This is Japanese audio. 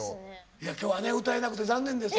いや今日はね歌えなくて残念です。